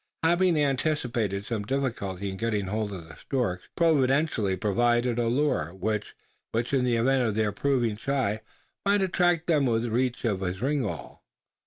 Having anticipated some difficulty in getting hold of the storks, he had providentially provided a lure, which, in the event of their proving shy, might attract them within reach of his ringall.